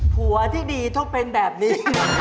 ผัวที่ดีต้องเป็นแบบนี้